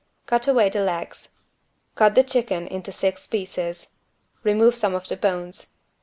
Cut away the legs. Cut the chicken into six pieces. Remove some of the bones.